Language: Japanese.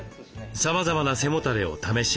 さまざまな背もたれを試します。